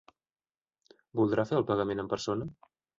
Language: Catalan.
Voldrà fer el pagament en persona?